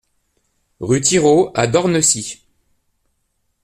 Rue Thirault à Dornecy